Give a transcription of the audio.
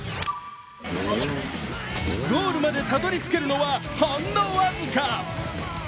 ゴールまでたどり着けるのは、ほんのわずか！